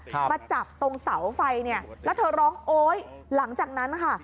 มาจับตรงเสาไฟเนี่ยแล้วเธอร้องโอ๊ยหลังจากนั้นค่ะ